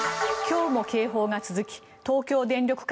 今日も警報が続き東京電力